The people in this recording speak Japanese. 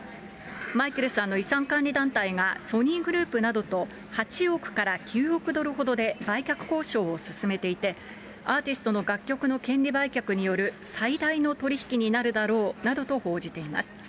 マイケルさんの遺産管理団体がソニーグループなどと８億から９億ドルほどで売却交渉を進めていて、アーティストの楽曲の権利売却による最大の取り引きになるだろうなどと報じています。